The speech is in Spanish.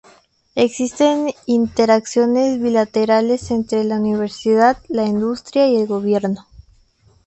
Existen interacciones bilaterales entre la universidad, la industria y el gobierno.